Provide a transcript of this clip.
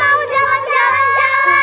kami mau jalan jalan